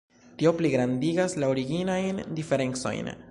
Tio pligrandigas la originajn diferencojn.